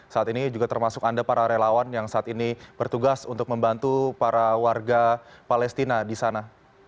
saat ini juga termasuk anda para relawan yang saat ini bertugas untuk membantu para warga palestina di sana